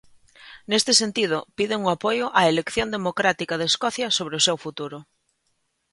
Neste sentido, piden o apoio á "elección democrática de Escocia sobre o seu futuro".